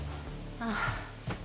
ああ。